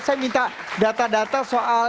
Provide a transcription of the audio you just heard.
saya minta data data soal